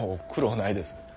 苦労はないです。